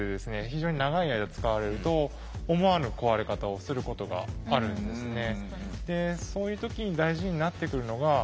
非常に長い間使われると思わぬ壊れ方をすることがあるんですね。